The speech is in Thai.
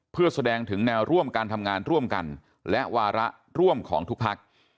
เพื่อแสดงถึงแนวร่วมการทำงานร่วมกันและวาระร่วมของทุกพัก